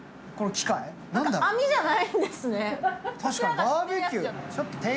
確かバーベキューって。